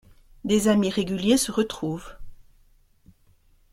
Des amis réguliers se retrouvent.